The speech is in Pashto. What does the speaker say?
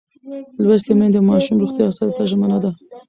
لوستې میندې د ماشوم روغتیا ساتلو ته ژمنه ده.